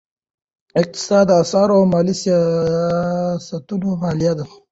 اقتصاد د اسعارو او مالي سیاستونو مطالعه ده.